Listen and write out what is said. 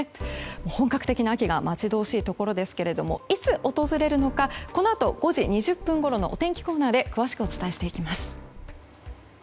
本格的な秋が待ち遠しいところですがいつ訪れるのかこのあと、５時２０分ごろのお天気コーナーで詳しくお伝えしていきます。